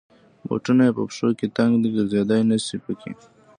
بوټونه یې په پښو کې تنګ دی. ګرځېدای نشی پکې.